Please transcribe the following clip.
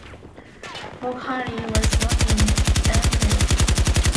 Bokhari was born in Enfield.